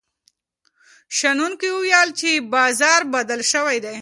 شنونکي وویل چې بازار بدل شوی دی.